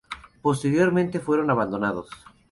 Posteriormente fueron abandonados.